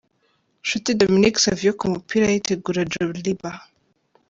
Nshuti Dominique Savio ku mupira yitegura Djoliba .